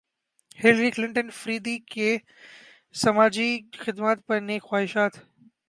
Hillary Clinton فریدی کی سماجی خدمات پر نیک خواہشات